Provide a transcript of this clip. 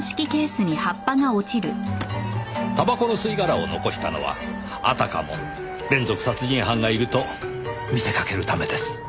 タバコの吸い殻を残したのはあたかも連続殺人犯がいると見せかけるためです。